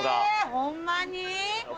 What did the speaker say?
ホンマに？